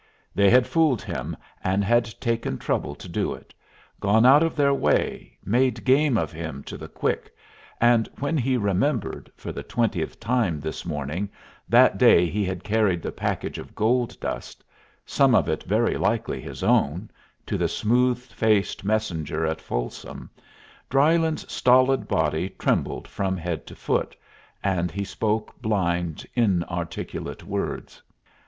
They had fooled him, and had taken trouble to do it; gone out of their way, made game of him to the quick; and when he remembered, for the twentieth time this morning, that day he had carried the package of gold dust some of it very likely his own to the smooth faced messenger at Folsom, Drylyn's stolid body trembled from head to foot, and he spoke blind, inarticulate words.